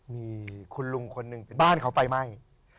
มีคุณลุงคนหนึ่งบ้านเขาไฟไหม้